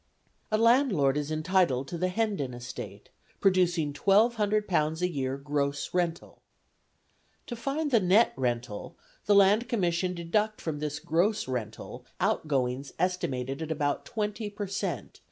A landlord is entitled to the Hendon estate, producing £1200 a year gross rental; to find the net rental, the Land Commission deduct from this gross rental outgoings estimated at about 20 per cent.